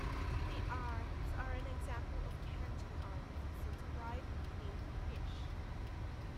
The arms are an example of canting arms, since "ryb" means "fish".